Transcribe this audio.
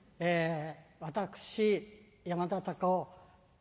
私山田隆夫